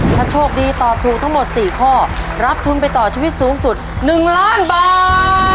ถ้าโชคดีตอบถูกทั้งหมด๔ข้อรับทุนไปต่อชีวิตสูงสุด๑ล้านบาท